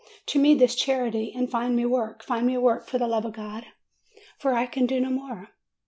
Do me this charity, and find me work, find me work, for the love of God, for I can do no more!"